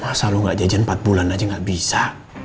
masa lu gak jajan empat bulan aja gak bisa